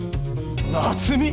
夏美！？